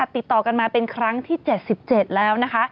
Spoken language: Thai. บอกกันมาเป็นครั้งที่๗๗แล้ว